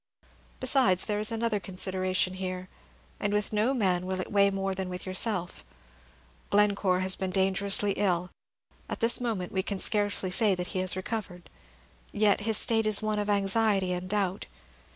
Besides, there is another consideration here, and with no man will it weigh more than with yourself. Glencore has been dangerously ill, at this moment we can scarcely say that he has recovered; his state is yet one of anxiety and doubt.